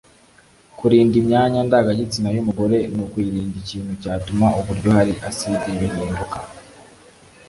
Kurinda imyanya ndangagitsina y’umugore ni ukuyirinda ikintu cyatuma uburyo hari acide bihinduka